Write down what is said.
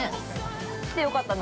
◆来てよかったね。